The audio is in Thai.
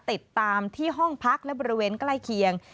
ติดตามที่ห้องพักและบริเวณใกล้เคียง